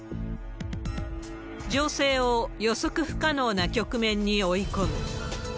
情勢を予測不可能な局面に追い込む。